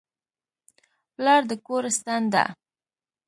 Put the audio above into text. پلار د کور ستن ده.